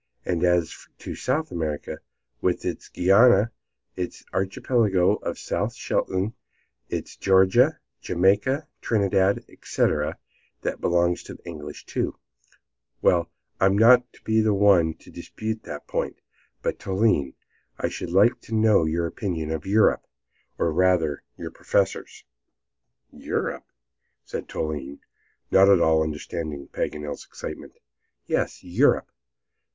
And as to South America, with its Guiana, its archipelago of South Shetland, its Georgia, Jamaica, Trinidad, etc., that belongs to the English, too! Well, I'll not be the one to dispute that point! But, Toline, I should like to know your opinion of Europe, or rather your professor's." "Europe?" said Toline not at all understanding Paganel's excitement. "Yes, Europe!